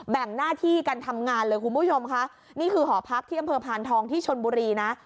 งหน้าที่กันทำงานเลยคุณผู้ชมค่ะนี่คือหอพักที่อำเภอพานทองที่ชนบุรีนะ